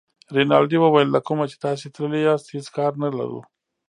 رینالډي وویل له کومه چې تاسي تللي یاست هېڅ کار نه لرو.